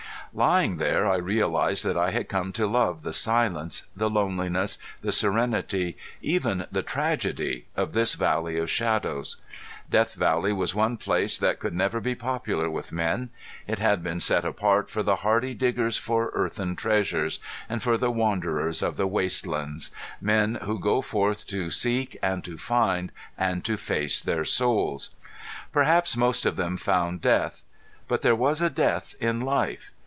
Lying there I realized that I had come to love the silence, the loneliness, the serenity, even the tragedy of this valley of shadows. Death Valley was one place that could never be popular with men. It had been set apart for the hardy diggers for earthen treasure, and for the wanderers of the wastelands men who go forth to seek and to find and to face their souls. Perhaps most of them found death. But there was a death in life.